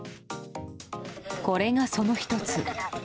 これが、その１つ。